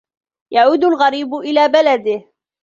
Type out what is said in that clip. يَعُودُ الْغَرِيبُ إِلَى بَلَدِهِ.